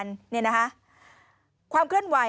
นี่นะคะความเคลื่อนไหว